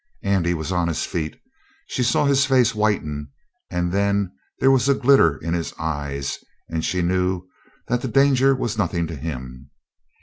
Andy was on his feet. She saw his face whiten, and then there was a glitter in his eyes, and she knew that the danger was nothing to him.